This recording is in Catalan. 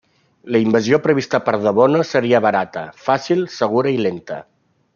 La invasió prevista per De Bono seria barata, fàcil, segura i lenta.